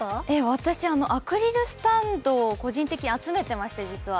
私、アクリルスタンド個人的に集めていまして、実は。